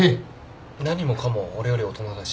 何もかも俺より大人だし。